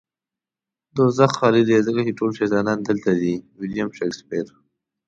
دوزخ خالی دی ځکه چې ټول شيطانان دلته دي. ويلييم شکسپير